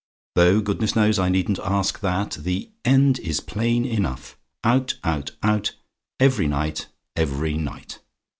Though, goodness knows, I needn't ask THAT. The end is plain enough. Out out out! Every night every night!